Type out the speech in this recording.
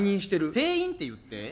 店員って言って。